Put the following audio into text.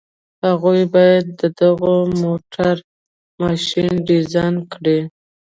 هغوی بايد د دغه موټر ماشين ډيزاين کړي.